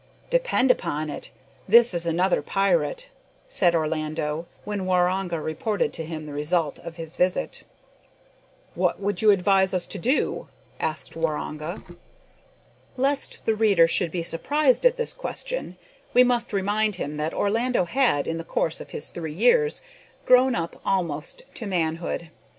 "Depend upon it, this is another pirate," said Orlando, when Waroonga reported to him the result of his visit. "What would you advise us to do?" asked Waroonga. Lest the reader should be surprised at this question, we must remind him that Orlando had, in the course of these three years, grown up almost to manhood.